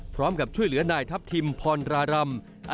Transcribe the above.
พร้อมกับช่วยเหลือนายทัพทิมพรรารำ